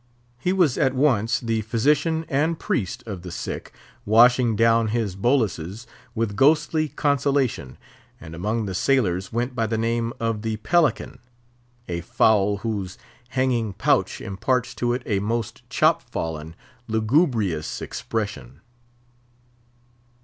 He was at once the physician and priest of the sick, washing down his boluses with ghostly consolation, and among the sailors went by the name of The Pelican, a fowl whose hanging pouch imparts to it a most chop fallen, lugubrious expression.